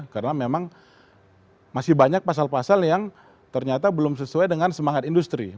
karena memang masih banyak pasal pasal yang ternyata belum sesuai dengan semangat industri